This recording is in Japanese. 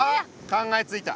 考えついた。